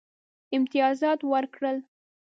امتیازات ورکړل.